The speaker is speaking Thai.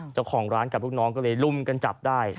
เจ้าของร้านกับลูกน้องก็เลยลุมกันจับได้